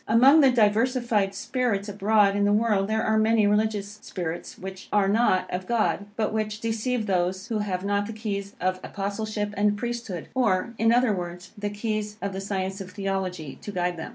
Among the diversified spirits abroad in the world here are many religious spirits, which are not of God, but which deceive those who have not the keys of Apostleship and Priesthood, or, in other words, the keys of the science of Theology to guide them.